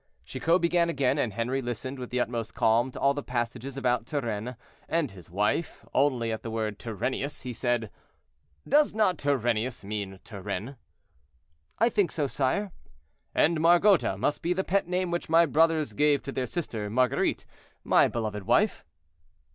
Chicot began again, and Henri listened with the utmost calm to all the passages about Turenne and his wife, only at the word "Turennius," he said: "Does not 'Turennius' mean Turenne?" "I think so, sire." "And 'Margota' must be the pet name which my brothers gave to their sister Marguerite, my beloved wife."